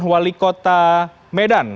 wali kota medan